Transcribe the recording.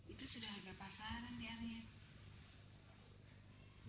itu sudah harga pasaran ibu ibu